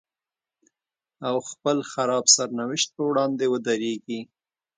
او خپل خراب سرنوشت په وړاندې ودرېږي.